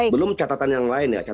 belum catatan yang lain ya